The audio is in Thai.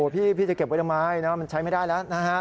พี่จะเก็บไว้ทั้งหมายนะมันใช้ไม่ได้แล้วนะครับ